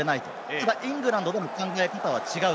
ただイングランドの考え方は違う。